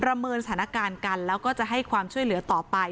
เมินสถานการณ์กันแล้วก็จะให้ความช่วยเหลือต่อไป